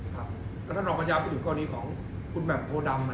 คุณท่านรองการญาณภิกษะของคุณแม่นกลัวเนิดความ